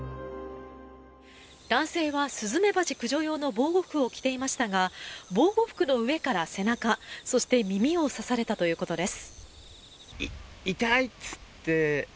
男性はスズメバチ駆除用の防護服を着ていましたが防護服の上から背中、そして耳を刺されたということです。